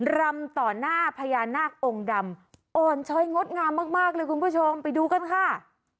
รำต่อหน้าพญานาคองค์ดำอ่อนช้อยงดงามมากเลยคุณผู้ชมไปดูกันค่ะ